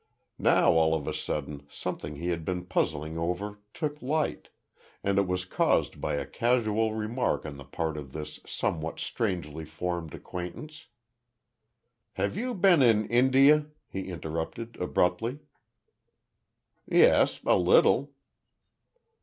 Now all of a sudden something he had been puzzling over took light, and it was caused by a casual remark on the part of this somewhat strangely formed acquaintance. "Have you been in India?" he interrupted, abruptly. "Yes, a little."